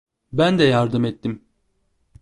Ben de yardım ettim.